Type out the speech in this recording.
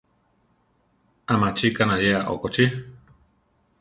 ¿A machi kanayéa okochí?